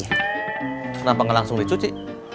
kenapa gak langsung dicuci